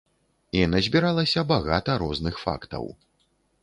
І назбіралася багата розных фактаў.